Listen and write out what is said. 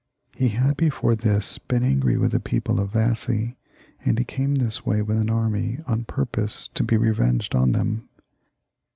He had before this been angry with the people of Vassy, and he came this way with an army on purpose to be revenged on them.